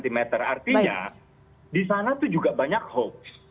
enam delapan belas cm artinya di sana itu juga banyak hoax